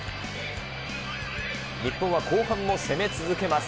日本は後半も攻め続けます。